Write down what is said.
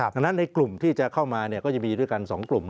ดังนั้นในกลุ่มที่จะเข้ามาก็จะมีด้วยกัน๒กลุ่ม